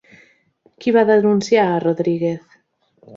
Qui va denunciar a Rodríguez?